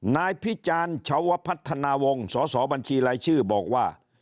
นายพิจารณ์ชาวพัฒนาวงศ์สสบัญชีรายชื่อบอกว่า